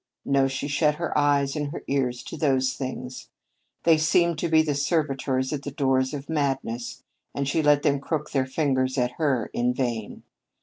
No, she shut her eyes and her ears to those things! They seemed to be the servitors at the doors of madness, and she let them crook their fingers at her in vain.